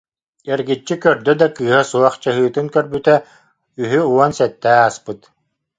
Эргиччи көрдө да, кыыһа суох, чаһыытын көрбүтэ, үһү уон сэттэ ааспыт